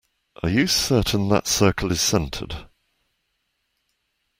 Are you certain that circle is centered?